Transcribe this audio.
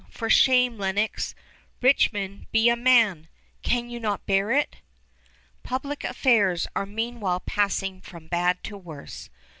for shame Lenox! Richmond, be a man! Can you not bear it?" Public affairs are meanwhile passing from bad to worse.